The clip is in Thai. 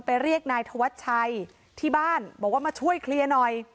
เรียกนายธวัชชัยที่บ้านบอกว่ามาช่วยเคลียร์หน่อย